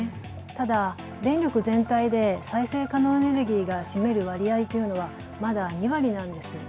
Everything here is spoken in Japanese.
ただ電力全体で再生可能エネルギーの占める割合というのはまだ２割なんです。